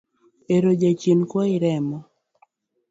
Ero jachien kwayi remo